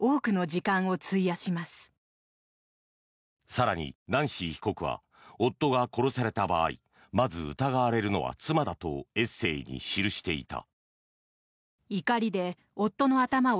更にナンシー被告は夫が殺された場合まず疑われるのは妻だとエッセーに記していた。